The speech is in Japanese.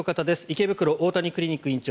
池袋大谷クリニック院長